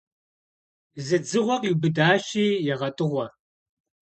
Зы дзыгъуэ къиубыдащи, егъэтӀыгъуэ.